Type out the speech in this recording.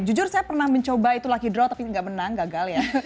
jujur saya pernah mencoba itu lucky dro tapi nggak menang gagal ya